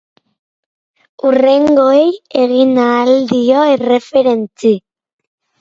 Hurrengoei egin ahal dio erreferentzi.